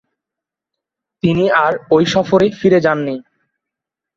তিনি আর ঐ সফরে ফিরে যাননি।